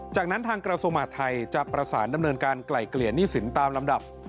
จากนั้นทางกระทรวงมหาธัยจะประสานดำเนินการไกล่เกลี่ยหนี้สินตามลำดับ